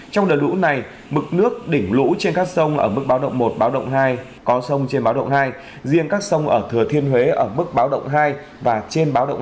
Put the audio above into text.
trong đợt lũ này mực nước đỉnh lũ trên các sông ở mức báo động một báo động hai có sông trên báo động hai riêng các sông ở thừa thiên huế ở mức báo động hai và trên báo động hai